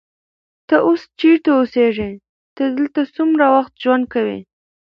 ته اوس چیرته اوسېږې؟ ته دلته څومره وخت ژوند کوې؟